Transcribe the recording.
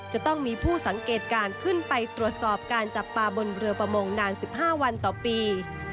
จะต้องมีผู้สังเกตการณ์ขึ้นไปตรวจสอบการจับปลาบนเรือประมงนาน๑๕วันต่อปี